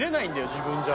自分じゃ。